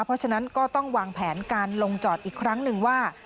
เพราะฉะนั้นก็ต้องวางแผนการลงจอดอีกครั้งหนึ่งว่า